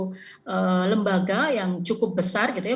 jadi semua disatukan jadi satu dibawa arahan satu lembaga yang cukup besar gitu ya